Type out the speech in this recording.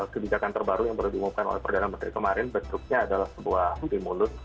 ketujakan terbaru yang baru diumumkan oleh perdana menteri kemarin bentuknya adalah sebuah remulus